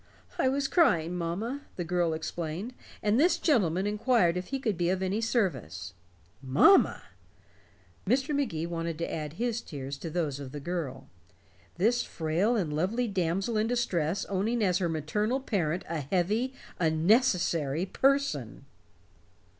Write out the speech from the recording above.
"I was crying, mamma," the girl explained, "and this gentleman inquired if he could be of any service." Mamma! Mr. Magee wanted to add his tears to those of the girl. This frail and lovely damsel in distress owning as her maternal parent a heavy unnecessary person!